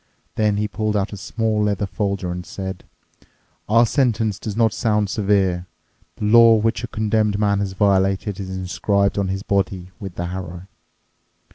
Then he pulled out a small leather folder and said, "Our sentence does not sound severe. The law which a condemned man has violated is inscribed on his body with the harrow.